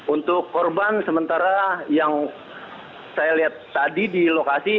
untuk korban sementara yang saya lihat tadi di lokasi